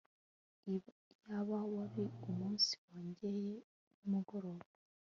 Iyaba wari umunsi wongeye nimugoroba